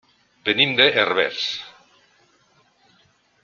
Venim de Herbers.